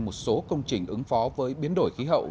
một số công trình ứng phó với biến đổi khí hậu